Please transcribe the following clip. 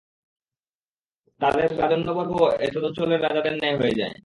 তাদের রাজন্যবর্গও এতদঞ্চলের রাজাদের ন্যায় হয়ে যায়।